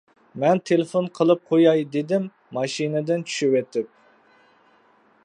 مەن تېلېفون قىلىپ قوياي، -دېدىم ماشىنىدىن چۈشۈۋېتىپ.